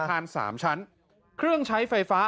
อาคาร๓ชั้นเครื่องใช้ไฟฟ้า